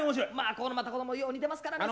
ここのまた子供よう似てますからね。